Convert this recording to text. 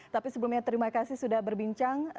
tapi sebelumnya terima kasih sudah berbincang